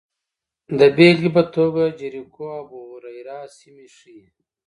د بېلګې په توګه جریکو او ابوهریره سیمې ښيي